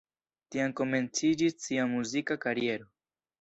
Tiam komenciĝis sia muzika kariero.